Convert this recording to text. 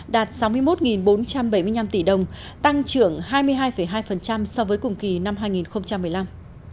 đạt sáu mươi một bốn trăm bảy mươi năm tỷ đồng tăng trưởng hai mươi hai hai so với cùng kỳ năm hai nghìn một mươi năm